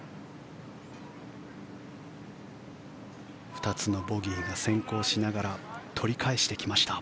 ２つのボギーが先行しながら取り返してきました。